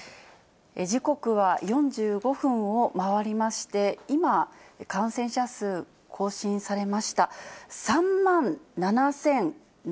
時刻は４５分を回りまして、今、感染者数、更新されました。